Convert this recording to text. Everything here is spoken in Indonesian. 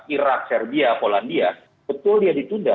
irak serbia polandia betul dia ditunda